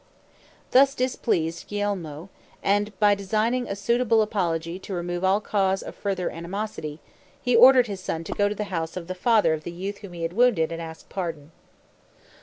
This displeased Gulielmo; and, designing by a suitable apology to remove all cause of further animosity, he ordered his son to go to the house of the father of the youth whom he had wounded and ask pardon.